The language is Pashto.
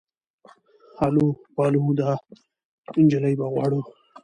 آلو بالو دا انجلۍ به غواړو